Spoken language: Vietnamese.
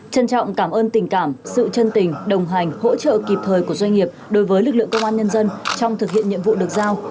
trân trọng cảm ơn tình cảm sự chân tình đồng hành hỗ trợ kịp thời của doanh nghiệp đối với lực lượng công an nhân dân trong thực hiện nhiệm vụ được giao